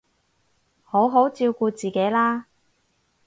好好照顧自己啦